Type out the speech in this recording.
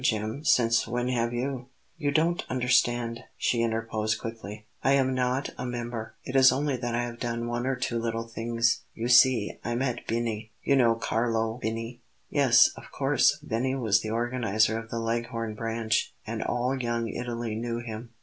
Jim, since when have you ?" "You don't understand!" she interposed quickly. "I am not a member. It is only that I have done one or two little things. You see, I met Bini you know Carlo Bini?" "Yes, of course." Bini was the organizer of the Leghorn branch; and all Young Italy knew him.